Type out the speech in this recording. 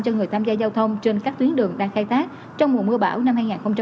cho người tham gia giao thông trên các tuyến đường đang khai tác trong mùa mưa bão năm hai nghìn một mươi chín